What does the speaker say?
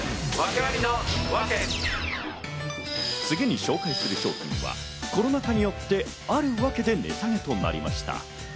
次に紹介する商品はコロナ禍によってあるワケで値下げとなりました。